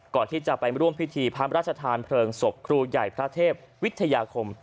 ก่อนที่จะไปร่วมพิธีพระราชทานเพลิงศพครูใหญ่พระเทพวิทยาคม